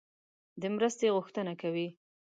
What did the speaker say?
د مرستې غوښتنه کوي.